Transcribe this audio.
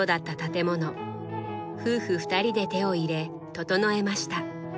夫婦２人で手を入れ整えました。